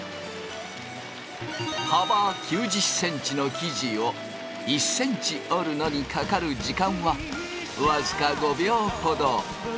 幅９０ｃｍの生地を１ｃｍ織るのにかかる時間は僅か５秒ほど。